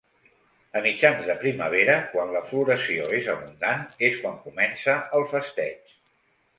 A mitjans de primavera, quan la floració és abundant, és quan comença el festeig.